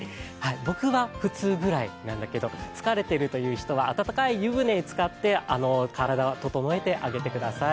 僕は普通ぐらいなんだけど疲れているという人は、温かい湯船につかって体をととのえてあげてください。